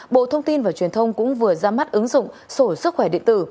bộ thông tin và truyền thông cũng vừa ra mắt ứng dụng sổ sức khỏe điện tử